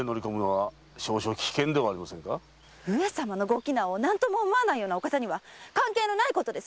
上様のご危難を何とも思わないお方には関係のないことです！